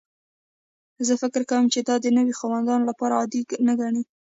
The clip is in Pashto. زه فکر کوم ته دا د نوي خاوندانو لپاره عادي نه ګڼې